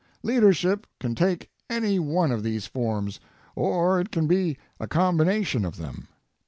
Leadership can take any one of these forms, or it can be a combination of them.